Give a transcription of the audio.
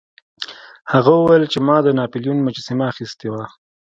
هغه وویل چې ما د ناپلیون مجسمه اخیستې وه.